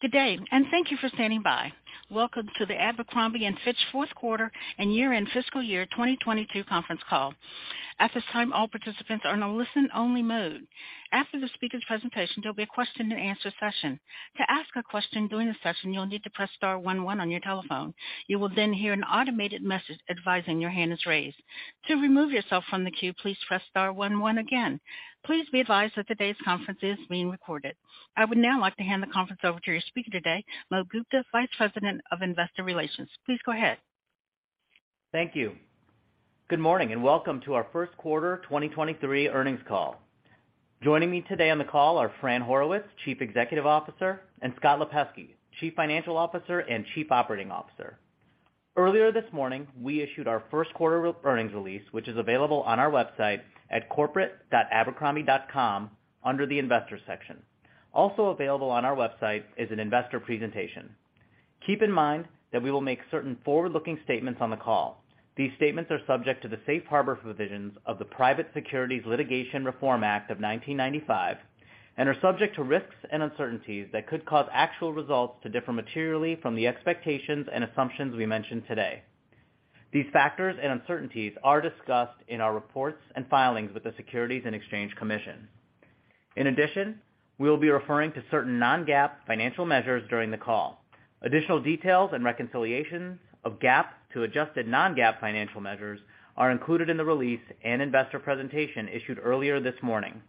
Good day. Thank you for standing by. Welcome to the Abercrombie & Fitch fourth quarter and year-end fiscal year 2022 conference call. At this time, all participants are in a listen only mode. After the speaker's presentation, there'll be a question and answer session. To ask a question during the session, you'll need to press star 11 on your telephone. You will hear an automated message advising your hand is raised. To remove yourself from the queue, please press star 11 again. Please be advised that today's conference is being recorded. I would now like to hand the conference over to your speaker today, Moe Gupta, Vice President of Investor Relations. Please go ahead. Thank you. Good morning, and welcome to our first quarter 2023 earnings call. Joining me today on the call are Fran Horowitz, Chief Executive Officer, and Scott Lipesky, Chief Financial Officer and Chief Operating Officer. Earlier this morning, we issued our first quarter earnings release, which is available on our website at corporate.abercrombie.com under the investor section. Also available on our website is an investor presentation. Keep in mind that we will make certain forward-looking statements on the call. These statements are subject to the safe harbor provisions of the Private Securities Litigation Reform Act of 1995 and are subject to risks and uncertainties that could cause actual results to differ materially from the expectations and assumptions we mention today. These factors and uncertainties are discussed in our reports and filings with the Securities and Exchange Commission. In addition, we'll be referring to certain non-GAAP financial measures during the call. Additional details and reconciliations of GAAP to adjusted non-GAAP financial measures are included in the release and investor presentation issued earlier this morning.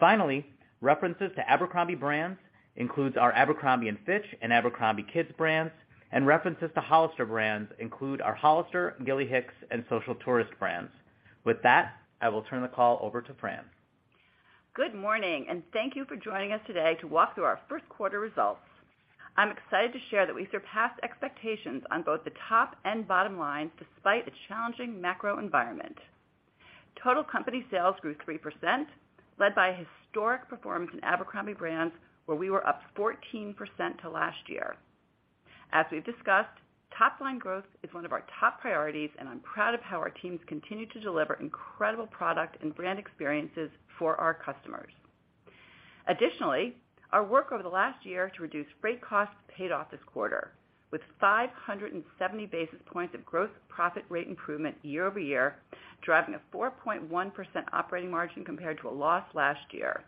Finally, references to Abercrombie Brands includes our Abercrombie & Fitch and Abercrombie Kids brands, and references to Hollister Brands include our Hollister, Gilly Hicks, and Social Tourist brands. With that, I will turn the call over to Fran. Good morning, thank you for joining us today to walk through our first quarter results. I'm excited to share that we surpassed expectations on both the top and bottom lines despite a challenging macro environment. Total company sales grew 3%, led by historic performance in Abercrombie Brands where we were up 14% to last year. As we've discussed, top line growth is one of our top priorities, and I'm proud of how our teams continue to deliver incredible product and brand experiences for our customers. Additionally, our work over the last year to reduce freight costs paid off this quarter with 570 basis points of gross profit rate improvement year-over-year, driving a 4.1% operating margin compared to a loss last year.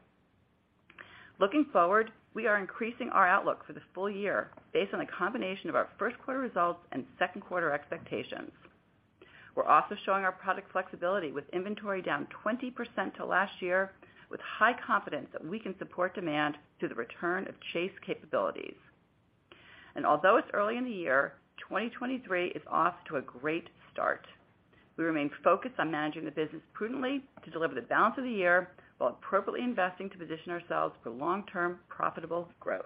Looking forward, we are increasing our outlook for the full year based on a combination of our first quarter results and second quarter expectations. We're also showing our product flexibility with inventory down 20% to last year with high confidence that we can support demand through the return of chase capabilities. Although it's early in the year, 2023 is off to a great start. We remain focused on managing the business prudently to deliver the balance of the year while appropriately investing to position ourselves for long-term profitable growth.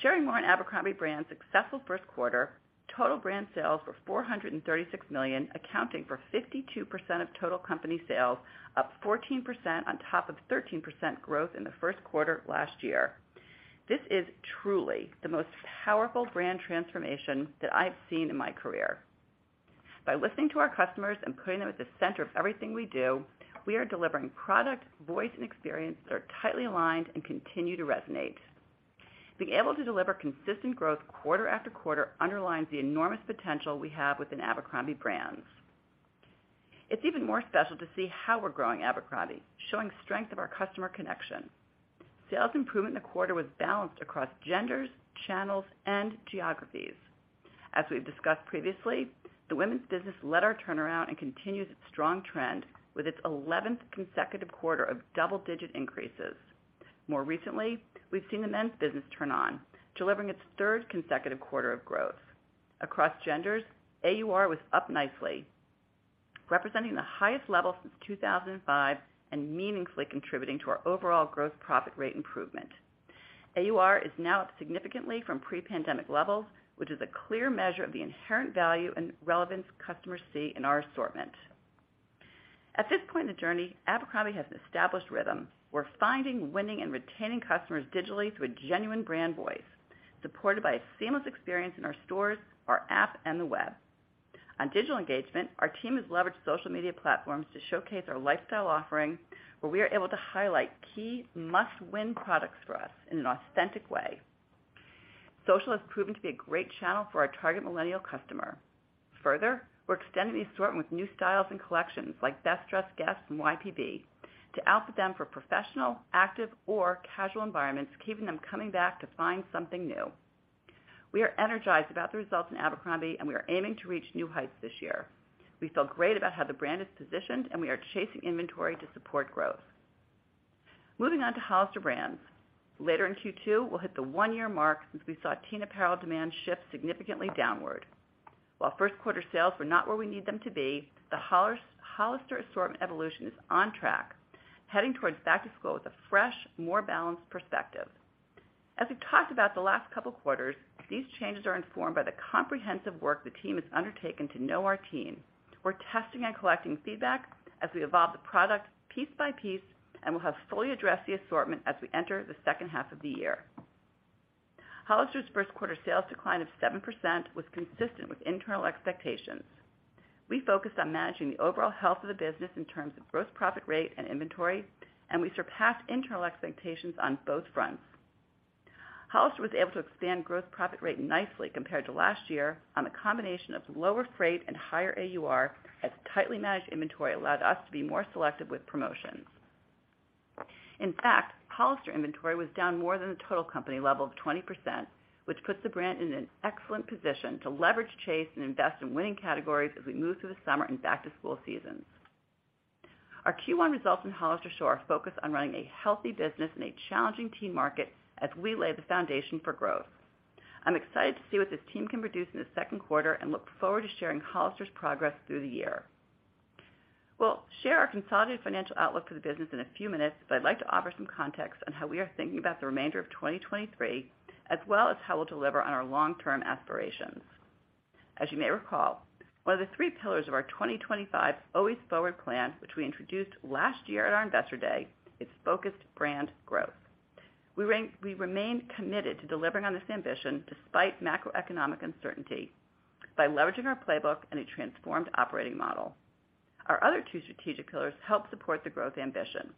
Sharing more on Abercrombie brand's successful first quarter, total brand sales were $436 million, accounting for 52% of total company sales, up 14% on top of 13% growth in the first quarter last year. This is truly the most powerful brand transformation that I have seen in my career. By listening to our customers and putting them at the center of everything we do, we are delivering product, voice, and experience that are tightly aligned and continue to resonate. Being able to deliver consistent growth quarter-after-quarter underlines the enormous potential we have within Abercrombie Brands. It's even more special to see how we're growing Abercrombie, showing strength of our customer connection. Sales improvement in the quarter was balanced across genders, channels, and geographies. As we've discussed previously, the women's business led our turnaround and continues its strong trend with its eleventh consecutive quarter of double-digit increases. More recently, we've seen the men's business turn on, delivering its third consecutive quarter of growth. Across genders, AUR was up nicely, representing the highest level since 2005 and meaningfully contributing to our overall growth profit rate improvement. AUR is now up significantly from pre-pandemic levels, which is a clear measure of the inherent value and relevance customers see in our assortment. At this point in the journey, Abercrombie has an established rhythm. We're finding, winning, and retaining customers digitally through a genuine brand voice supported by a seamless experience in our stores, our app, and the web. On digital engagement, our team has leveraged social media platforms to showcase our lifestyle offering, where we are able to highlight key must-win products for us in an authentic way. Social has proven to be a great channel for our target millennial customer. We're extending the assortment with new styles and collections like Best Dressed Guest and YPB to outfit them for professional, active, or casual environments, keeping them coming back to find something new. We are energized about the results in Abercrombie, and we are aiming to reach new heights this year. We feel great about how the brand is positioned, and we are chasing inventory to support growth. Moving on to Hollister Brands. Later in Q2, we'll hit the one-year mark since we saw teen apparel demand shift significantly downward. While first quarter sales were not where we need them to be, the Hollister assortment evolution is on track, heading towards back to school with a fresh, more balanced perspective. As we've talked about the last couple quarters, these changes are informed by the comprehensive work the team has undertaken to know our teen. We're testing and collecting feedback as we evolve the product piece by piece, and we'll have fully addressed the assortment as we enter the second half of the year. Hollister's first quarter sales decline of 7% was consistent with internal expectations. We focused on managing the overall health of the business in terms of gross profit rate and inventory, and we surpassed internal expectations on both fronts. Hollister was able to expand growth profit rate nicely compared to last year on a combination of lower freight and higher AUR, as tightly managed inventory allowed us to be more selective with promotions. Hollister inventory was down more than the total company level of 20%, which puts the brand in an excellent position to leverage chase and invest in winning categories as we move through the summer and back to school seasons. Our Q1 results in Hollister show our focus on running a healthy business in a challenging teen market as we lay the foundation for growth. I'm excited to see what this team can produce in the second quarter and look forward to sharing Hollister's progress through the year. We'll share our consolidated financial outlook for the business in a few minutes, but I'd like to offer some context on how we are thinking about the remainder of 2023, as well as how we'll deliver on our long-term aspirations. As you may recall, one of the three pillars of our 2025 Always Forward Plan, which we introduced last year at our Investor Day, is focused brand growth. We remain committed to delivering on this ambition despite macroeconomic uncertainty by leveraging our playbook and a transformed operating model. Our other two strategic pillars help support the growth ambition.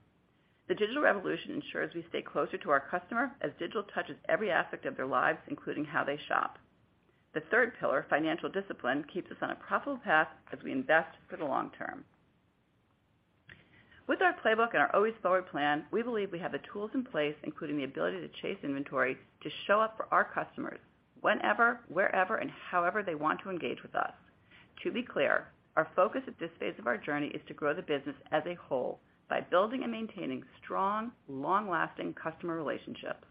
The digital revolution ensures we stay closer to our customer as digital touches every aspect of their lives, including how they shop. The third pillar, financial discipline, keeps us on a profitable path as we invest for the long term. With our playbook and our Always Forward Plan, we believe we have the tools in place, including the ability to chase inventory, to show up for our customers whenever, wherever, and however they want to engage with us. To be clear, our focus at this phase of our journey is to grow the business as a whole by building and maintaining strong, long-lasting customer relationships.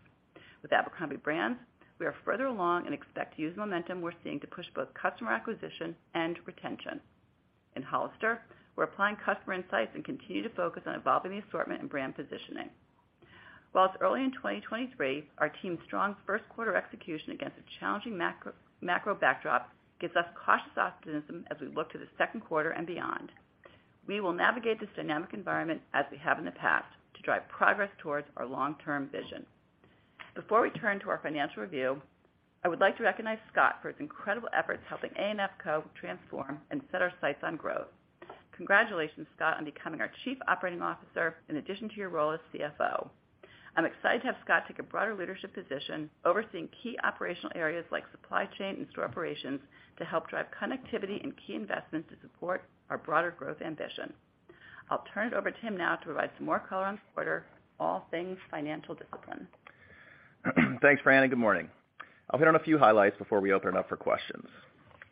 With Abercrombie Brands, we are further along and expect to use momentum we're seeing to push both customer acquisition and retention. In Hollister, we're applying customer insights and continue to focus on evolving the assortment and brand positioning. While it's early in 2023, our team's strong first quarter execution against a challenging macro backdrop gives us cautious optimism as we look to the second quarter and beyond. We will navigate this dynamic environment as we have in the past to drive progress towards our long-term vision. Before we turn to our financial review, I would like to recognize Scott for his incredible efforts helping ANF Co. transform and set our sights on growth. Congratulations, Scott, on becoming our chief operating officer in addition to your role as CFO. I'm excited to have Scott take a broader leadership position overseeing key operational areas like supply chain and store operations to help drive connectivity and key investments to support our broader growth ambition. I'll turn it over to him now to provide some more color on the quarter, all things financial discipline. Thanks, Fran. Good morning. I'll hit on a few highlights before we open it up for questions.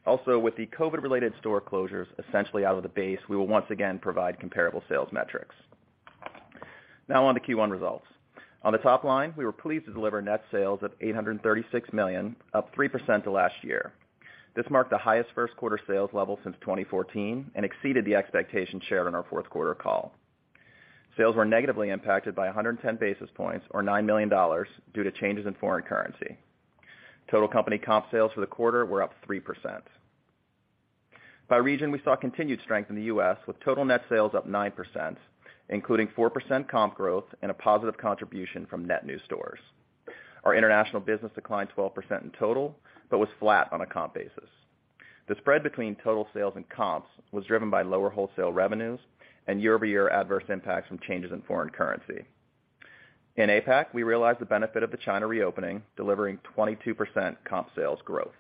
With the COVID-related store closures essentially out of the base, we will once again provide comparable sales metrics. On to Q1 results. On the top line, we were pleased to deliver net sales of $836 million, up 3% to last year. This marked the highest first quarter sales level since 2014 and exceeded the expectations shared on our fourth quarter call. Sales were negatively impacted by 110 basis points or $9 million due to changes in foreign currency. Total company comp sales for the quarter were up 3%. By region, we saw continued strength in the U.S., with total net sales up 9%, including 4% comp growth and a positive contribution from net new stores. Our international business declined 12% in total, but was flat on a comp basis. The spread between total sales and comps was driven by lower wholesale revenues and year-over-year adverse impacts from changes in foreign currency. In APAC, we realized the benefit of the China reopening, delivering 22% comp sales growth.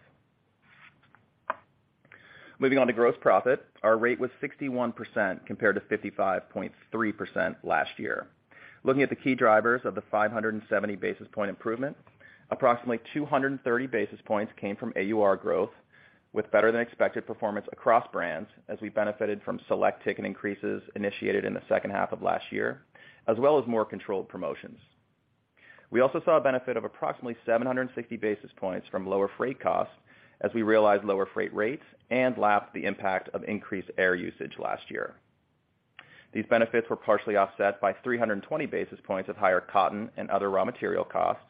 Moving on to gross profit. Our rate was 61%, compared to 55.3% last year. Looking at the key drivers of the 570 basis point improvement, approximately 230 basis points came from AUR growth, with better than expected performance across brands as we benefited from select ticket increases initiated in the second half of last year, as well as more controlled promotions. We also saw a benefit of approximately 760 basis points from lower freight costs as we realized lower freight rates and lapped the impact of increased air usage last year. These benefits were partially offset by 320 basis points of higher cotton and other raw material costs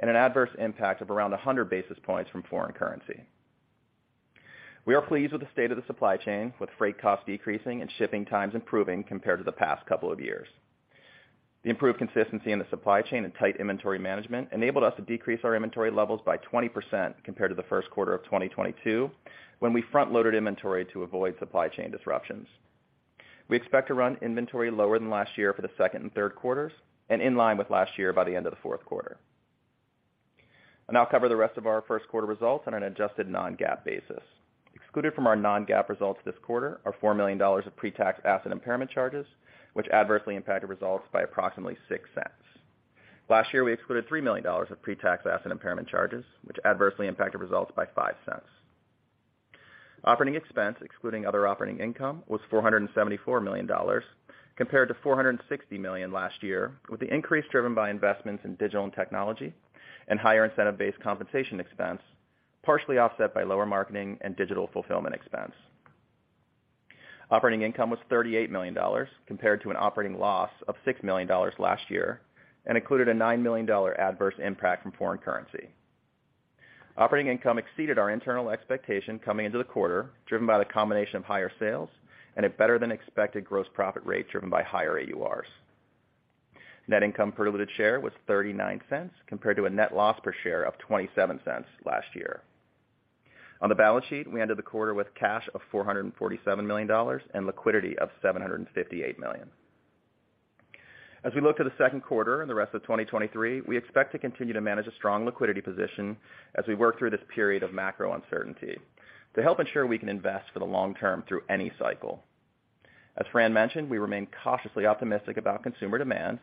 and an adverse impact of around 100 basis points from foreign currency. We are pleased with the state of the supply chain, with freight costs decreasing and shipping times improving compared to the past couple of years. The improved consistency in the supply chain and tight inventory management enabled us to decrease our inventory levels by 20% compared to the first quarter of 2022, when we front-loaded inventory to avoid supply chain disruptions. We expect to run inventory lower than last year for the second and third quarters, and in line with last year by the end of the fourth quarter. I'll now cover the rest of our first quarter results on an adjusted non-GAAP basis. Excluded from our non-GAAP results this quarter are $4 million of pre-tax asset impairment charges, which adversely impacted results by approximately $0.06. Last year, we excluded $3 million of pre-tax asset impairment charges, which adversely impacted results by $0.05. Operating expense excluding other operating income was $474 million compared to $460 million last year, with the increase driven by investments in digital and technology and higher incentive-based compensation expense, partially offset by lower marketing and digital fulfillment expense. Operating income was $38 million compared to an operating loss of $6 million last year, included a $9 million adverse impact from foreign currency. Operating income exceeded our internal expectation coming into the quarter, driven by the combination of higher sales and a better-than-expected gross profit rate driven by higher AURs. Net income per diluted share was $0.39 compared to a net loss per share of $0.27 last year. On the balance sheet, we ended the quarter with cash of $447 million and liquidity of $758 million. As we look to the second quarter and the rest of 2023, we expect to continue to manage a strong liquidity position as we work through this period of macro uncertainty to help ensure we can invest for the long term through any cycle. As Fran mentioned, we remain cautiously optimistic about consumer demand,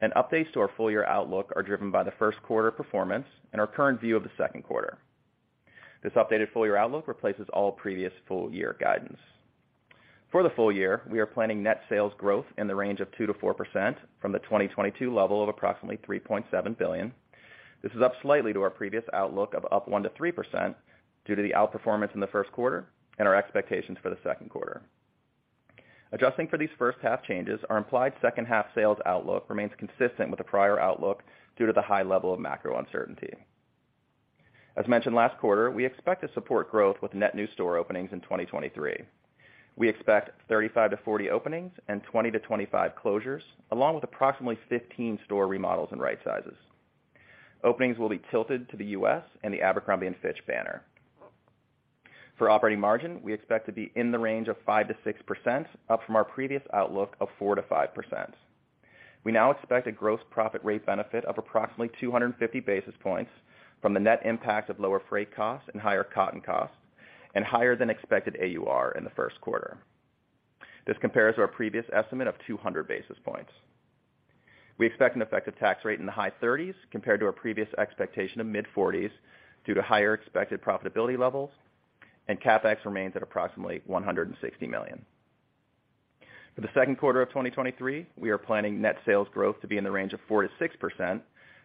and updates to our full year outlook are driven by the first quarter performance and our current view of the second quarter. This updated full year outlook replaces all previous full year guidance. For the full year, we are planning net sales growth in the range of 2%-4% from the 2022 level of approximately $3.7 billion. This is up slightly to our previous outlook of up 1%-3% due to the outperformance in the first quarter and our expectations for the second quarter. Adjusting for these first half changes, our implied second half sales outlook remains consistent with the prior outlook due to the high level of macro uncertainty. As mentioned last quarter, we expect to support growth with net new store openings in 2023. We expect 35-40 openings and 20-25 closures, along with approximately 15 store remodels and right sizes. Openings will be tilted to the U.S. and the Abercrombie & Fitch banner. For operating margin, we expect to be in the range of 5%-6%, up from our previous outlook of 4%-5%. We now expect a gross profit rate benefit of approximately 250 basis points from the net impact of lower freight costs and higher cotton costs, and higher than expected AUR in the first quarter. This compares to our previous estimate of 200 basis points. We expect an effective tax rate in the high 30s compared to our previous expectation of mid-40s due to higher expected profitability levels, and CapEx remains at approximately $160 million. For the second quarter of 2023, we are planning net sales growth to be in the range of 4%-6%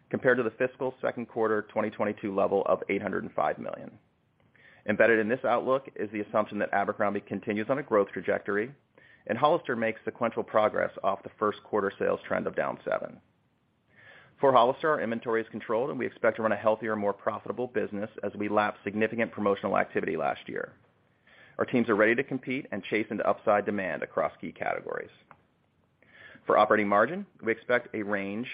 compared to the fiscal second quarter 2022 level of $805 million. Embedded in this outlook is the assumption that Abercrombie continues on a growth trajectory and Hollister makes sequential progress off the first quarter sales trend of down 7%. For Hollister, our inventory is controlled, and we expect to run a healthier and more profitable business as we lap significant promotional activity last year. Our teams are ready to compete and chase into upside demand across key categories. For operating margin, we expect a range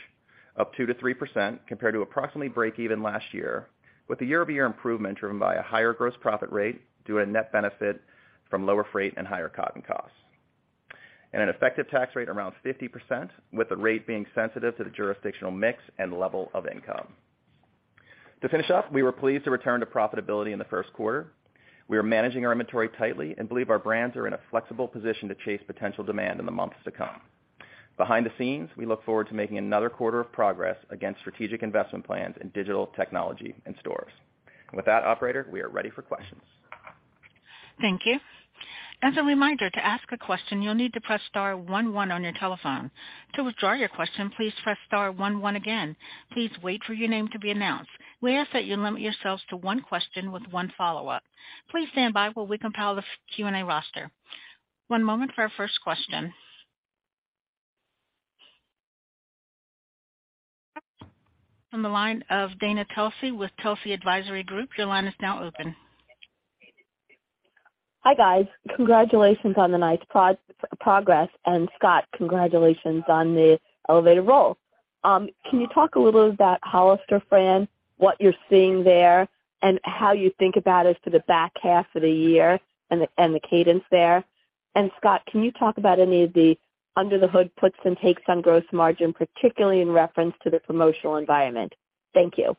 of 2%-3% compared to approximately break even last year, with a year-over-year improvement driven by a higher gross profit rate due to a net benefit from lower freight and higher cotton costs. An effective tax rate around 50%, with the rate being sensitive to the jurisdictional mix and level of income. To finish up, we were pleased to return to profitability in the first quarter. We are managing our inventory tightly and believe our brands are in a flexible position to chase potential demand in the months to come. Behind the scenes, we look forward to making another quarter of progress against strategic investment plans in digital technology and stores. With that operator, we are ready for questions. Thank you. As a reminder, to ask a question, you'll need to press star one one on your telephone. To withdraw your question, please press star one one again. Please wait for your name to be announced. We ask that you limit yourselves to one question with one follow-up. Please stand by while we compile the Q&A roster. One moment for our first question. From the line of Dana Telsey with Telsey Advisory Group, your line is now open. Hi, guys. Congratulations on the nice progress. Scott, congratulations on the elevated role. Can you talk a little about Hollister, Fran, what you're seeing there, and how you think about it for the back half of the year and the cadence there? Scott, can you talk about any of the under the hood puts and takes on gross margin, particularly in reference to the promotional environment? Thank you.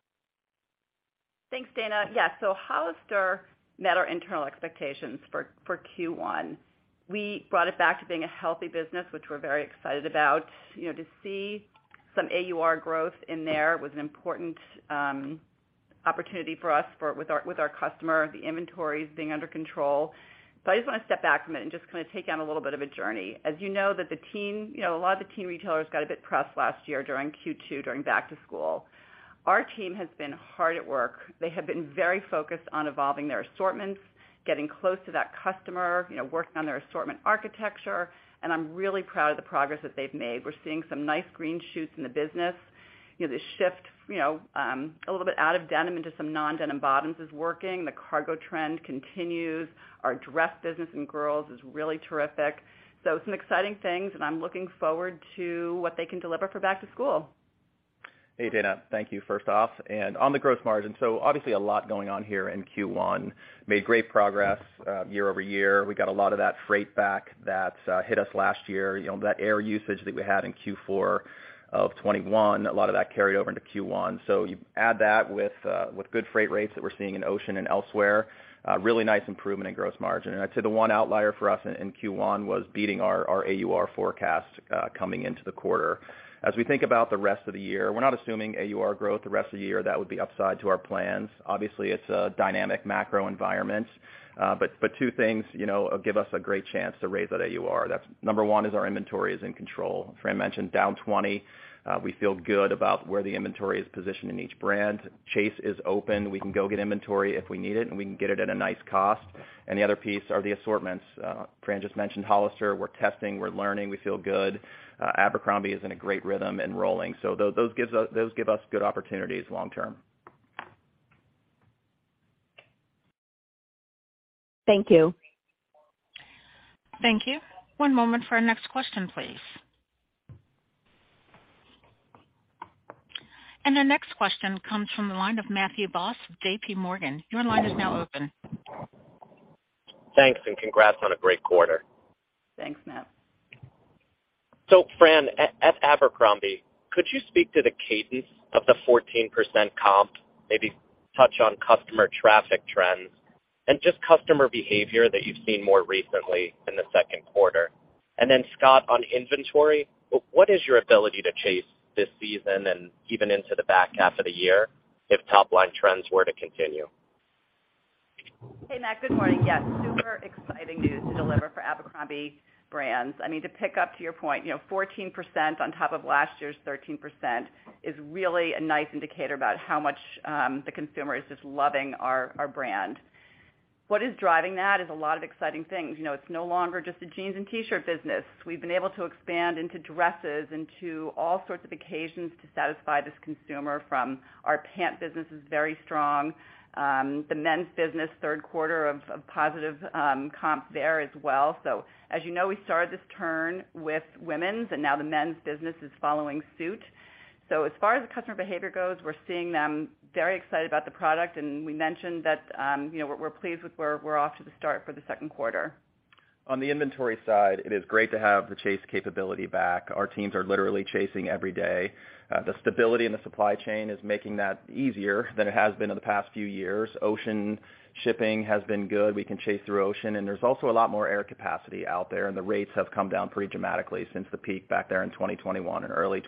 Thanks, Dana. Yeah. Hollister met our internal expectations for Q1. We brought it back to being a healthy business, which we're very excited about. You know, to see some AUR growth in there was an important opportunity for us with our customer, the inventories being under control. I just wanna step back a minute and just kinda take on a little bit of a journey. As you know that the team, you know, a lot of the team retailers got a bit pressed last year during Q2, during back to school. Our team has been hard at work. They have been very focused on evolving their assortments, getting close to that customer, you know, working on their assortment architecture, and I'm really proud of the progress that they've made. We're seeing some nice green shoots in the business. You know, the shift, you know, a little bit out of denim into some non-denim bottoms is working. The cargo trend continues. Our dress business in girls is really terrific. Some exciting things. I'm looking forward to what they can deliver for back to school. Hey, Dana. Thank you, first off. On the gross margin, obviously a lot going on here in Q1. Made great progress year-over-year. We got a lot of that freight back that hit us last year. You know, that air usage that we had in Q4 of 2021, a lot of that carried over into Q1. You add that with good freight rates that we're seeing in ocean and elsewhere, really nice improvement in gross margin. I'd say the one outlier for us in Q1 was beating our AUR forecast coming into the quarter. As we think about the rest of the year, we're not assuming AUR growth the rest of the year. That would be upside to our plans. Obviously, it's a dynamic macro environment. Two things, you know, give us a great chance to raise that AUR. That's number one is our inventory is in control. Fran mentioned down 20. We feel good about where the inventory is positioned in each brand. Chase is open. We can go get inventory if we need it, and we can get it at a nice cost. The other piece are the assortments. Fran just mentioned Hollister. We're testing, we're learning, we feel good. Abercrombie is in a great rhythm and rolling. Those give us good opportunities long term. Thank you. Thank you. One moment for our next question, please. Our next question comes from the line of Matthew Boss, JPMorgan. Your line is now open. Thanks congrats on a great quarter. Thanks, Matt. Fran, at Abercrombie, could you speak to the cadence of the 14% comp, maybe touch on customer traffic trends and just customer behavior that you've seen more recently in the second quarter? Scott, on inventory, what is your ability to chase this season and even into the back half of the year if top line trends were to continue? Hey, Matthew Boss, good morning. Yes, super exciting news to deliver for Abercrombie Brands. I mean, to pick up to your point, you know 14% on top of last year's 13% is really a nice indicator about how much the consumer is just loving our brand. What is driving that is a lot of exciting things. You know, it's no longer just a jeans and T-shirt business. We've been able to expand into dresses, into all sorts of occasions to satisfy this consumer from our pant business is very strong. The men's business, third quarter of positive comp there as well. As you know, we started this turn with women's, and now the men's business is following suit. As far as the customer behavior goes, we're seeing them very excited about the product. We mentioned that, you know, we're pleased with where we're off to the start for the second quarter. On the inventory side, it is great to have the chase capability back. Our teams are literally chasing every day. The stability in the supply chain is making that easier than it has been in the past few years. Ocean shipping has been good. We can chase through ocean, and there's also a lot more air capacity out there, and the rates have come down pretty dramatically since the peak back there in 2021 and early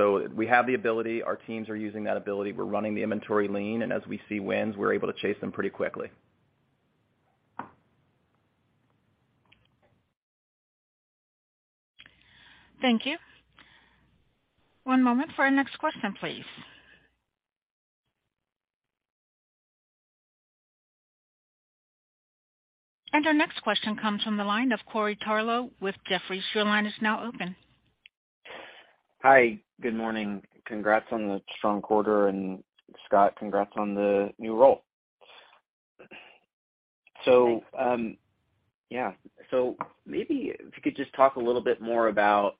2022. We have the ability. Our teams are using that ability. We're running the inventory lean, and as we see wins, we're able to chase them pretty quickly. Thank you. One moment for our next question, please. Our next question comes from the line of Corey Tarlowe with Jefferies. Your line is now open. Hi, good morning. Congrats on the strong quarter, and Scott, congrats on the new role. Thanks. Maybe if you could just talk a little bit more about,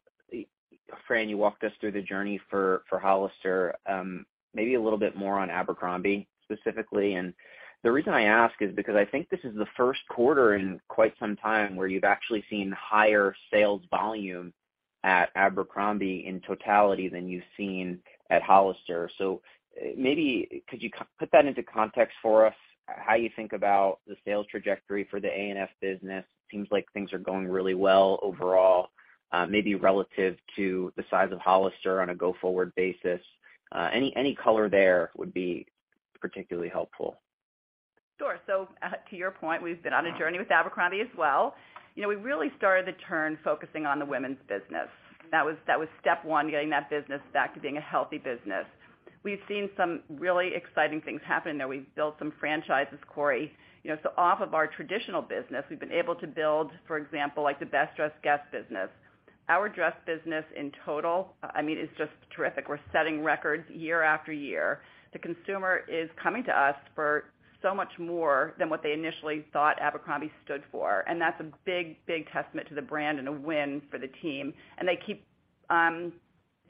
Fran, you walked us through the journey for Hollister, maybe a little bit more on Abercrombie specifically? The reason I ask is because I think this is the first quarter in quite some time where you've actually seen higher sales volume at Abercrombie in totality than you've seen at Hollister. Maybe could you put that into context for us, how you think about the sales trajectory for the ANF business? Seems like things are going really well overall, maybe relative to the size of Hollister on a go-forward basis. Any, any color there would be particularly helpful. Sure. To your point, we've been on a journey with Abercrombie as well. You know, we really started the turn focusing on the women's business. That was step one, getting that business back to being a healthy business. We've seen some really exciting things happen there. We've built some franchises, Corey. You know, off of our traditional business, we've been able to build, for example, like the Best Dressed Guest business. Our dress business in total, I mean, is just terrific. We're setting records year-after-year. The consumer is coming to us for so much more than what they initially thought Abercrombie stood for. That's a big, big testament to the brand and a win for the team. They keep,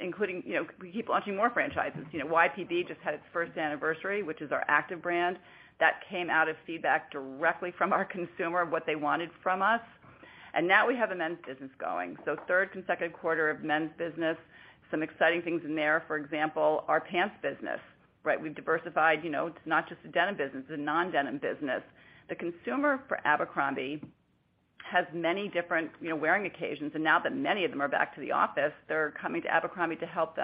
including, you know, we keep launching more franchises. You know, YPB just had its first anniversary, which is our active brand. That came out of feedback directly from our consumer of what they wanted from us. Now we have a men's business going. Third consecutive quarter of men's business. Some exciting things in there. For example, our pants business, right? We've diversified. You know, it's not just a denim business, it's a non-denim business. The consumer for Abercrombie has many different, you know, wearing occasions. Now that many of them are back to the office, they're coming to Abercrombie to help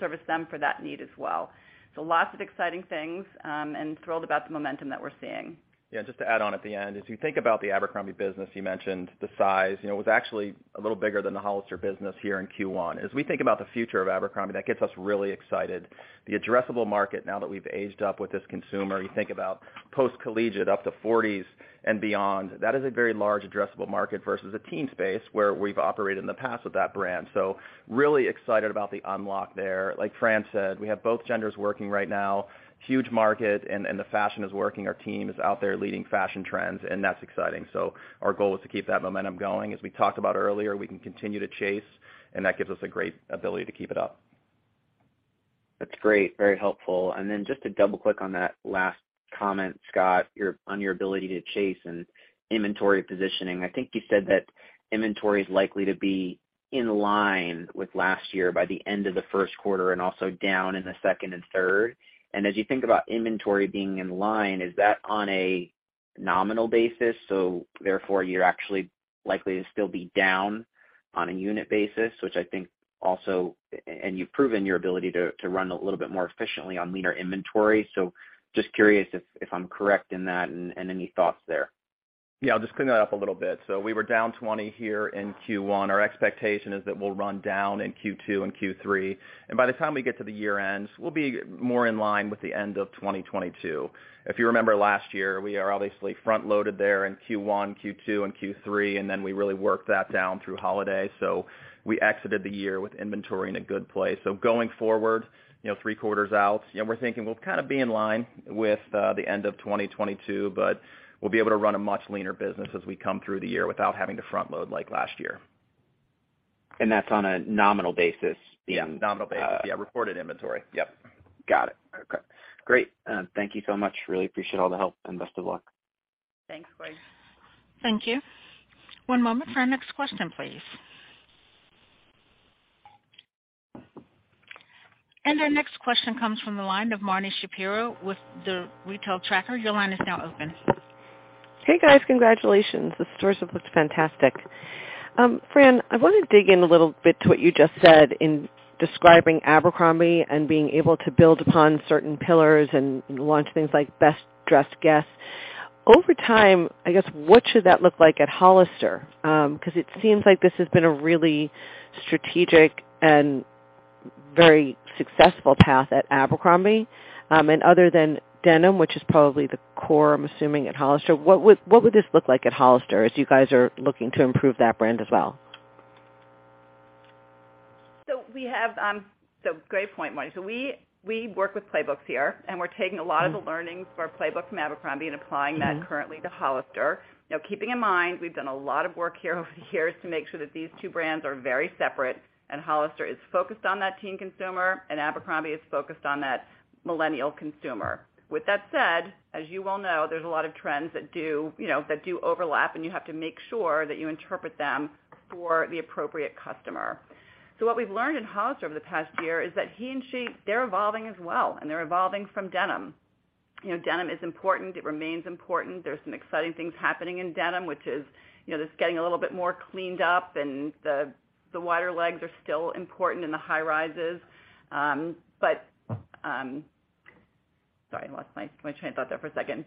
service them for that need as well. Lots of exciting things, and thrilled about the momentum that we're seeing. Just to add on at the end, as you think about the Abercrombie business, you mentioned the size. You know, it was actually a little bigger than the Hollister business here in Q1. As we think about the future of Abercrombie, that gets us really excited. The addressable market now that we've aged up with this consumer, you think about post-collegiate up to 40s and beyond. That is a very large addressable market versus a teen space where we've operated in the past with that brand. Really excited about the unlock there. Like Fran said, we have both genders working right now. Huge market and the fashion is working. Our team is out there leading fashion trends, and that's exciting. Our goal is to keep that momentum going. As we talked about earlier, we can continue to chase, and that gives us a great ability to keep it up. That's great. Very helpful. Then just to double-click on that last comment, Scott, on your ability to chase and inventory positioning. I think you said that inventory is likely to be in line with last year by the end of the first quarter and also down in the second and third. As you think about inventory being in line, is that on a nominal basis, so therefore you're actually likely to still be down on a unit basis, which I think also... You've proven your ability to run a little bit more efficiently on leaner inventory. So just curious if I'm correct in that and any thoughts there. Yeah, I'll just clean that up a little bit. We were down 20 here in Q1. Our expectation is that we'll run down in Q2 and Q3, and by the time we get to the year-end, we'll be more in line with the end of 2022. If you remember last year, we are obviously front-loaded there in Q1, Q2, and Q3, we really worked that down through holiday. We exited the year with inventory in a good place. Going forward, you know, three quarters out, you know, we're thinking we'll kind of be in line with the end of 2022, but we'll be able to run a much leaner business as we come through the year without having to front-load like last year. That's on a nominal basis? Yeah, nominal basis. Yeah, reported inventory. Yep. Got it. Okay, great. Thank you so much. Really appreciate all the help, and best of luck. Thanks, Corey. Thank you. One moment for our next question, please. Our next question comes from the line of Marni Shapiro with The Retail Tracker. Your line is now open. Hey, guys. Congratulations. The stores have looked fantastic. Fran, I wanna dig in a little bit to what you just said in describing Abercrombie and being able to build upon certain pillars and launch things like Best Dressed Guest. Over time, I guess, what should that look like at Hollister? It seems like this has been a really strategic and very successful path at Abercrombie. Other than denim, which is probably the core, I'm assuming, at Hollister, what would this look like at Hollister as you guys are looking to improve that brand as well? Great point, Marni. We work with playbooks here, and we're taking a lot of the learnings for our playbook from Abercrombie and applying that currently to Hollister. You know, keeping in mind, we've done a lot of work here over the years to make sure that these two brands are very separate, and Hollister is focused on that teen consumer, and Abercrombie is focused on that millennial consumer. With that said, as you well know, there's a lot of trends that do, you know, that do overlap, and you have to make sure that you interpret them for the appropriate customer. What we've learned in Hollister over the past year is that he and she, they're evolving as well, and they're evolving from denim. You know, denim is important. It remains important. There's some exciting things happening in denim, which is, you know, just getting a little bit more cleaned up, and the wider legs are still important in the high rises. Sorry, I lost my train of thought there for a second.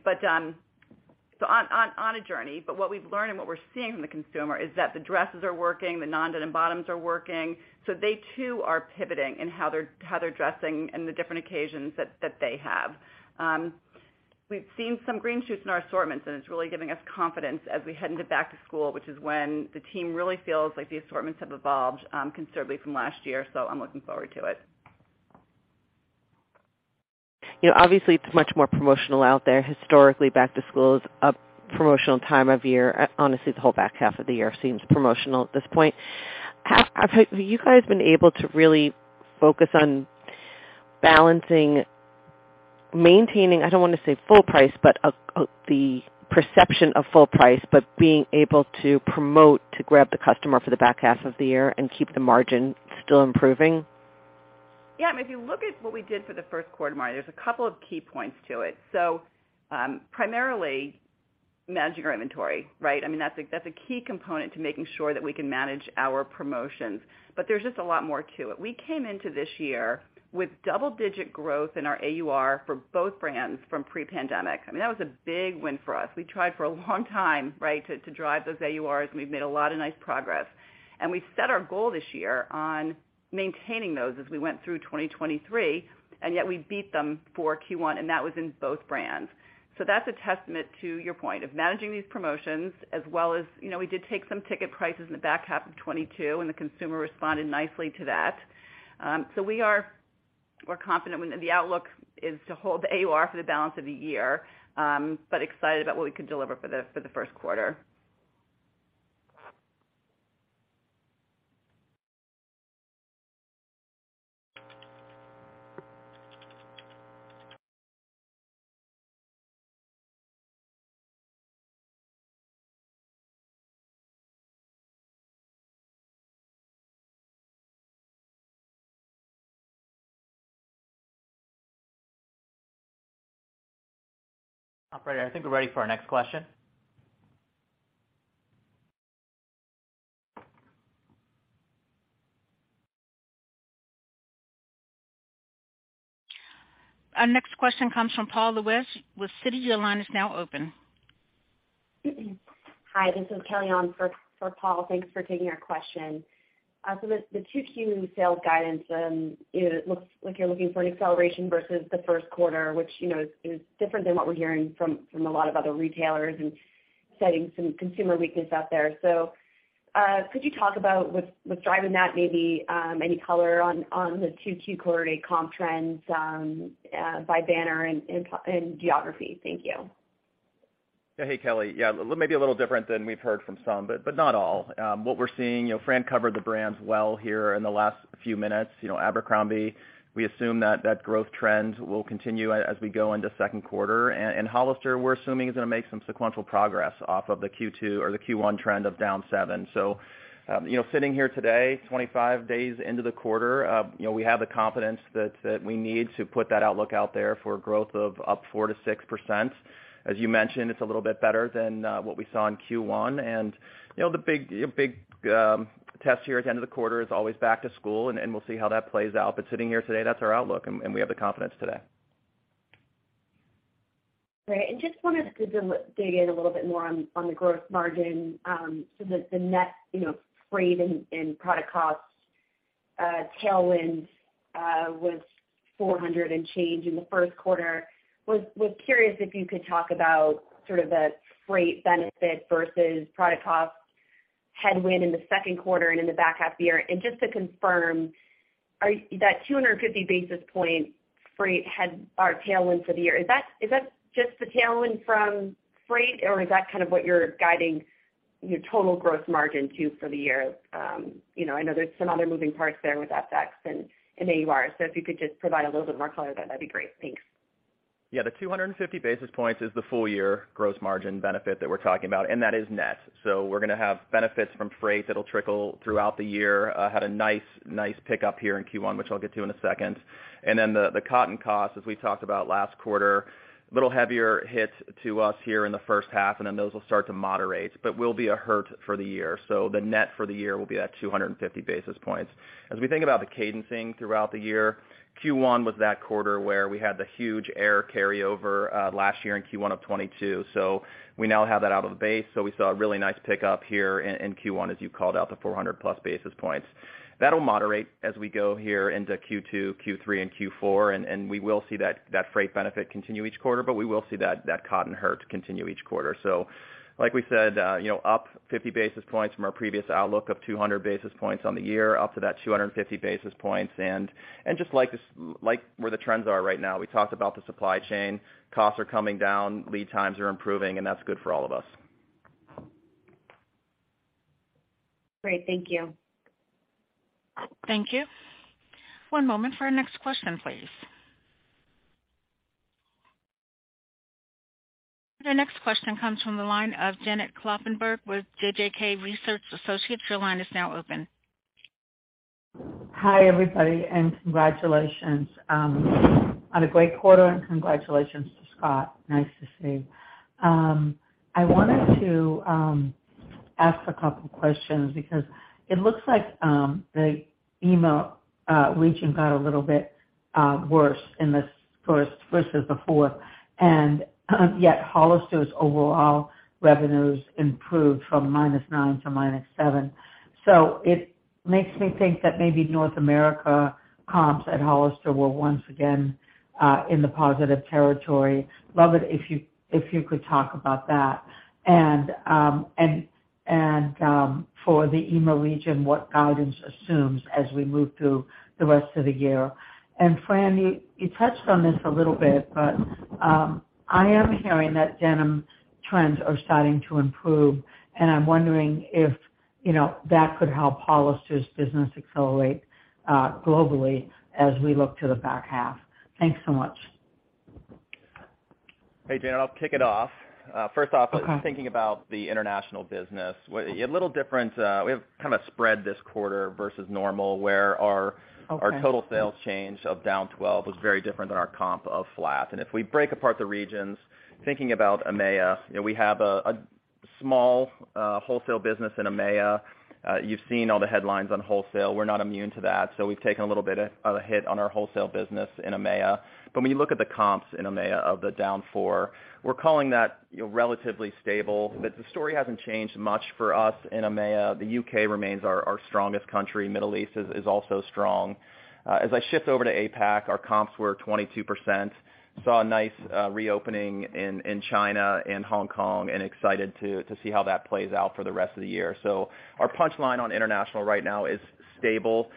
What we've learned and what we're seeing from the consumer is that the dresses are working, the non-denim bottoms are working. They too are pivoting in how they're dressing and the different occasions that they have. We've seen some green shoots in our assortments, and it's really giving us confidence as we head into back to school, which is when the team really feels like the assortments have evolved considerably from last year. I'm looking forward to it. You know, obviously it's much more promotional out there. Historically, back to school is a promotional time of year. Honestly, the whole back half of the year seems promotional at this point. Have you guys been able to really focus on balancing, maintaining, I don't wanna say full price, but a, the perception of full price, but being able to promote to grab the customer for the back half of the year and keep the margin still improving? Yeah. I mean, if you look at what we did for the first quarter, Marni, there's a couple of key points to it. Primarily managing our inventory, right? I mean, that's a key component to making sure that we can manage our promotions. There's just a lot more to it. We came into this year with double-digit growth in our AUR for both brands from pre-pandemic. I mean, that was a big win for us. We tried for a long time, right, to drive those AURs, and we've made a lot of nice progress. We set our goal this year on maintaining those as we went through 2023, and yet we beat them for Q1, and that was in both brands. That's a testament to your point of managing these promotions as well as, you know, we did take some ticket prices in the back half of 2022, and the consumer responded nicely to that. We are, we're confident when the outlook is to hold the AUR for the balance of the year, but excited about what we could deliver for the first quarter. Operator, I think we're ready for our next question. Our next question comes from Paul Lejuez with Citi. Your line is now open. Hi, this is Kelly on for Paul. Thanks for taking our question. The 2Q sales guidance, it looks like you're looking for an acceleration versus the 1st quarter, which, you know, is different than what we're hearing from a lot of other retailers and citing some consumer weakness out there. Could you talk about what's driving that maybe, any color on the 2Q quarter A comp trends by banner and geography? Thank you. Hey, Kelly. Maybe a little different than we've heard from some, but not all. What we're seeing, you know, Fran covered the brands well here in the last few minutes. You know, Abercrombie, we assume that growth trend will continue as we go into second quarter. Hollister, we're assuming, is gonna make some sequential progress off of the Q2 or the Q1 trend of down 7%. You know, sitting here today, 25 days into the quarter, you know, we have the confidence that we need to put that outlook out there for growth of up 4%-6%. As you mentioned, it's a little bit better than what we saw in Q1. You know, the big test here at the end of the quarter is always back to school, and we'll see how that plays out. Sitting here today, that's our outlook and we have the confidence today. Great. Just wanted to dig in a little bit more on the gross margin, so the net, you know, freight and product costs, tailwind, was 400 and change in the first quarter. Was curious if you could talk about sort of the freight benefit versus product cost headwind in the second quarter and in the back half of the year. Just to confirm that 250 basis point freight tailwind for the year. Is that just the tailwind from freight, or is that kind of what you're guiding your total gross margin to for the year? You know, I know there's some other moving parts there with FX and AUR. If you could just provide a little bit more color, that'd be great. Thanks. Yeah. The 250 basis points is the full year gross margin benefit that we're talking about. That is net. We're gonna have benefits from freight that'll trickle throughout the year. Had a nice pickup here in Q1, which I'll get to in a second. The cotton cost, as we talked about last quarter, a little heavier hit to us here in the first half, and then those will start to moderate, but will be a hurt for the year. The net for the year will be at 250 basis points. As we think about the cadencing throughout the year, Q1 was that quarter where we had the huge air carryover last year in Q1 of 2022. We now have that out of the base. We saw a really nice pickup here in Q1, as you called out, the 400+ basis points. That'll moderate as we go here into Q2, Q3, and Q4, and we will see that freight benefit continue each quarter, but we will see that cotton hurt continue each quarter. Like we said, you know, up 50 basis points from our previous outlook of 200 basis points on the year, up to that 250 basis points. Just like where the trends are right now, we talked about the supply chain. Costs are coming down, lead times are improving, and that's good for all of us. Great. Thank you. Thank you. One moment for our next question, please. Our next question comes from the line of Janet Kloppenburg with JJK Research Associates. Your line is now open. Hi, everybody, congratulations on a great quarter, and congratulations to Scott. Nice to see. I wanted to ask a couple questions because it looks like the EMEA region got a little bit worse in this first versus the fourth, Hollister's overall revenues improved from -9% to -7%. It makes me think that maybe North America comps at Hollister were once again in the positive territory. Love it if you could talk about that. And for the EMEA region, what guidance assumes as we move through the rest of the year? Fran, you touched on this a little bit, but, I am hearing that denim trends are starting to improve, and I'm wondering if, you know, that could help Hollister's business accelerate, globally as we look to the back half. Thanks so much. Hey, Janet, I'll kick it off. Okay.... thinking about the international business, a little different, we have kinda spread this quarter versus normal, where our- Okay. Our total sales change of down 12% was very different than our comp of flat. If we break apart the regions, thinking about EMEA, you know, we have a small wholesale business in EMEA. You've seen all the headlines on wholesale. We're not immune to that. We've taken a little bit of a hit on our wholesale business in EMEA. When you look at the comps in EMEA of the down 4%, we're calling that, you know, relatively stable. The story hasn't changed much for us in EMEA. The U.K. remains our strongest country. Middle East is also strong. I shift over to APAC, our comps were 22%. Saw a nice reopening in China and Hong Kong, and excited to see how that plays out for the rest of the year. Our punchline on international right now is stable.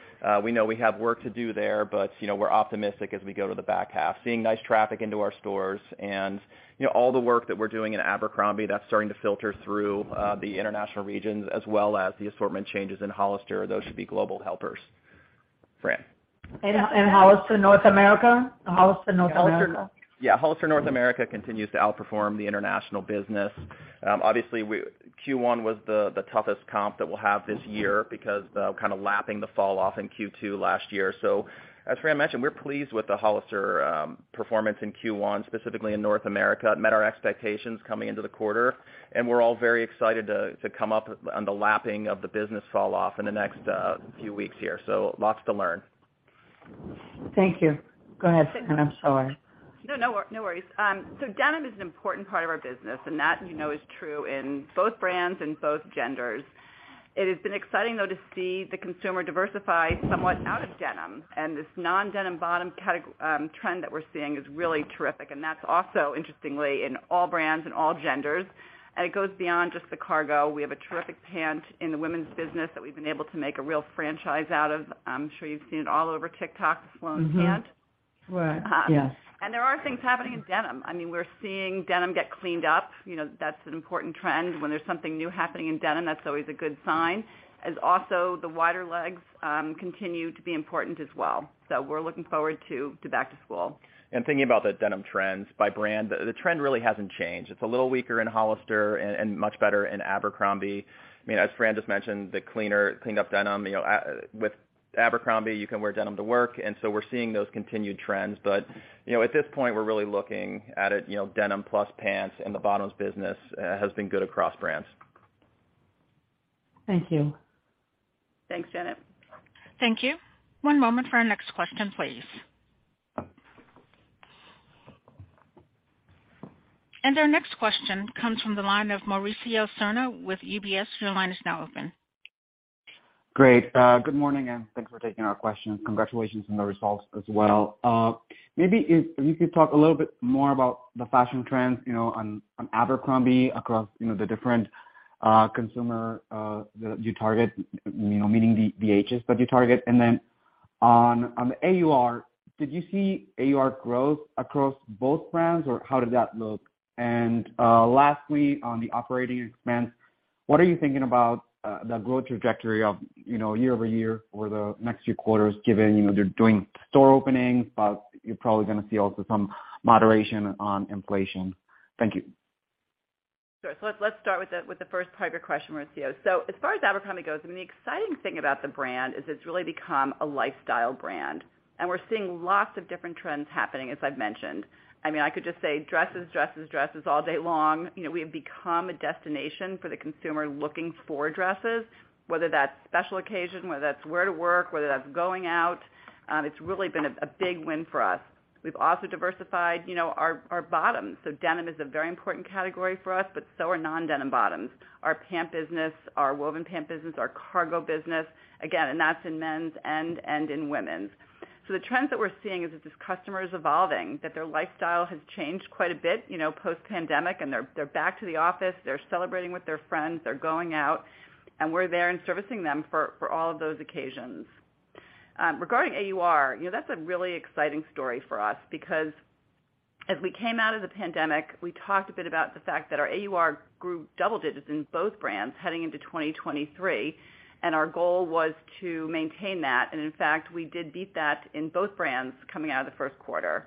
We know we have work to do there, but, you know, we're optimistic as we go to the back half. Seeing nice traffic into our stores and, you know, all the work that we're doing in Abercrombie, that's starting to filter through, the international regions as well as the assortment changes in Hollister. Those should be global helpers. Fran. Hollister North America? Hollister North America. Yeah. Hollister North America continues to outperform the international business. Obviously, Q1 was the toughest comp that we'll have this year because kinda lapping the falloff in Q2 last year. As Fran mentioned, we're pleased with the Hollister performance in Q1, specifically in North America. It met our expectations coming into the quarter, and we're all very excited to come up on the lapping of the business falloff in the next few weeks here. Lots to learn. Thank you. Go ahead, Fran. I'm sorry. No, no worries. Denim is an important part of our business, and that, you know, is true in both brands and both genders. It has been exciting, though, to see the consumer diversify somewhat out of denim. This non-denim bottom trend that we're seeing is really terrific, and that's also interestingly in all brands and all genders. It goes beyond just the cargo. We have a terrific pant in the women's business that we've been able to make a real franchise out of. I'm sure you've seen it all over TikTok, the Sloane Pant. Mm-hmm. Right. Yes. There are things happening in denim. I mean, we're seeing denim get cleaned up. You know, that's an important trend. When there's something new happening in denim, that's always a good sign. As also the wider legs continue to be important as well. We're looking forward to back to school. Thinking about the denim trends by brand, the trend really hasn't changed. It's a little weaker in Hollister and much better in Abercrombie. I mean, as Fran just mentioned, the cleaner, cleaned up denim, you know, with Abercrombie, you can wear denim to work, we're seeing those continued trends. At this point, we're really looking at it, you know, denim plus pants, and the bottoms business has been good across brands. Thank you. Thanks, Janet. Thank you. One moment for our next question, please. Our next question comes from the line of Mauricio Serna with UBS. Your line is now open. Great. Good morning, and thanks for taking our questions. Congratulations on the results as well. Maybe if you could talk a little bit more about the fashion trends, you know, on Abercrombie across, you know, the different consumer, that you target, you know, meaning the ages that you target. On, on the AUR, did you see AUR growth across both brands, or how did that look? Lastly, on the operating expense, what are you thinking about, the growth trajectory of, you know, year-over-year for the next few quarters given, you know, they're doing store openings, but you're probably gonna see also some moderation on inflation. Thank you. Sure. Let's start with the first part of your question, Mauricio Serna. As far as Abercrombie goes, I mean, the exciting thing about the brand is it's really become a lifestyle brand, and we're seeing lots of different trends happening, as I've mentioned. I mean, I could just say dresses, dresses all day long. You know, we have become a destination for the consumer looking for dresses, whether that's special occasion, whether that's wear to work, whether that's going out, it's really been a big win for us. We've also diversified, you know, our bottoms. Denim is a very important category for us, but so are non-denim bottoms. Our pant business, our woven pant business, our cargo business. Again, that's in men's and in women's. The trends that we're seeing is that this customer is evolving, that their lifestyle has changed quite a bit, you know, post-pandemic, and they're back to the office, they're celebrating with their friends, they're going out, and we're there and servicing them for all of those occasions. Regarding AUR, you know, that's a really exciting story for us because as we came out of the pandemic, we talked a bit about the fact that our AUR grew double digits in both brands heading into 2023, and our goal was to maintain that. In fact, we did beat that in both brands coming out of the first quarter.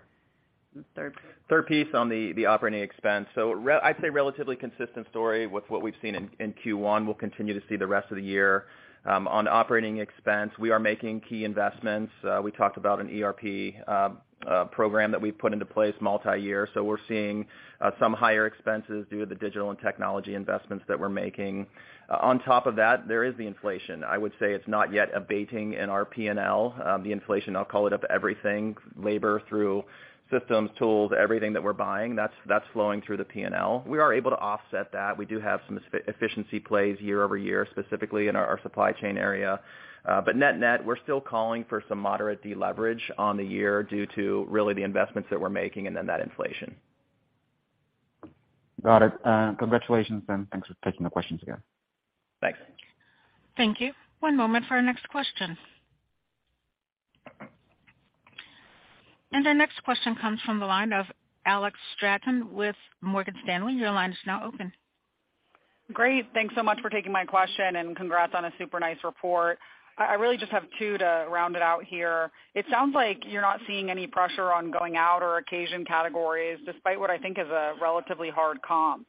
Third? Third piece on the operating expense. I'd say relatively consistent story with what we've seen in Q1. We'll continue to see the rest of the year. On operating expense, we are making key investments. We talked about an ERP program that we've put into place multi-year, so we're seeing some higher expenses due to the digital and technology investments that we're making. On top of that, there is the inflation. I would say it's not yet abating in our P&L. The inflation, I'll call it up everything, labor through systems, tools, everything that we're buying, that's flowing through the P&L. We are able to offset that. We do have some efficiency plays year-over-year, specifically in our supply chain area. Net-net, we're still calling for some moderate deleverage on the year due to really the investments that we're making and then that inflation. Got it. Congratulations then. Thanks for taking the questions again. Thanks. Thank you. One moment for our next question. Our next question comes from the line of Alex Straton with Morgan Stanley. Your line is now open. Great. Thanks so much for taking my question. Congrats on a super nice report. I really just have two to round it out here. It sounds like you're not seeing any pressure on going out or occasion categories, despite what I think is a relatively hard comp.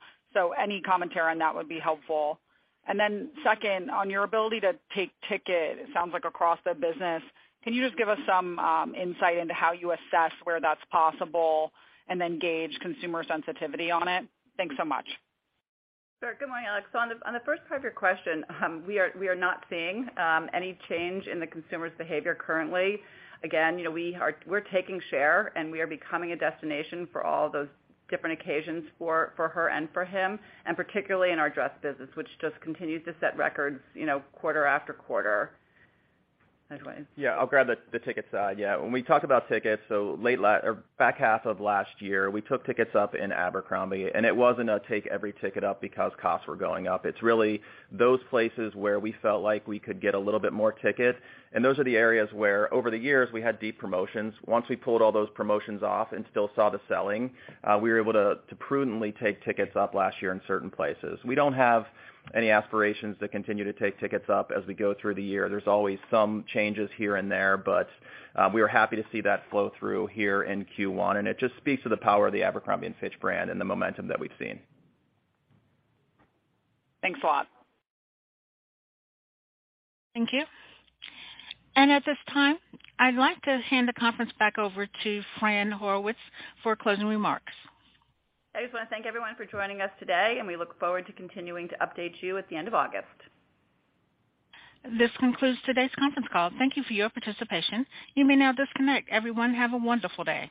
Any commentary on that would be helpful. Second, on your ability to take ticket, it sounds like across the business, can you just give us some insight into how you assess where that's possible and then gauge consumer sensitivity on it? Thanks so much. Sure. Good morning, Alex. On the first part of your question, we are not seeing any change in the consumer's behavior currently. Again, you know, we're taking share, and we are becoming a destination for all those different occasions for her and for him, and particularly in our dress business, which just continues to set records, you know, quarter-after-quarter. Go ahead, Dwayne. I'll grab the ticket side. When we talk about tickets, back half of last year, we took tickets up in Abercrombie, and it wasn't a take every ticket up because costs were going up. It's really those places where we felt like we could get a little bit more ticket, and those are the areas where, over the years, we had deep promotions. Once we pulled all those promotions off and still saw the selling, we were able to prudently take tickets up last year in certain places. We don't have any aspirations to continue to take tickets up as we go through the year. There's always some changes here and there. We are happy to see that flow through here in Q1. It just speaks to the power of the Abercrombie & Fitch brand and the momentum that we've seen. Thanks a lot. Thank you. At this time, I'd like to hand the conference back over to Fran Horowitz for closing remarks. I just wanna thank everyone for joining us today, and we look forward to continuing to update you at the end of August. This concludes today's conference call. Thank you for your participation. You may now disconnect. Everyone, have a wonderful day.